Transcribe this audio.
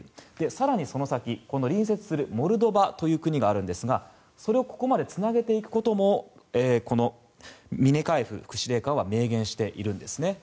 更にその先、隣接するモルドバという国があるんですがそれをここまでつなげていくこともこのミネカエフ副司令官は明言しているんですね。